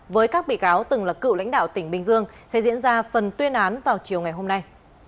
với các bị cáo từng là cựu lãnh đạo tỉnh bình dương sẽ diễn ra phần tuyên án vào chiều ngày hôm nay